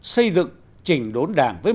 xây dựng chỉnh đốn đảng với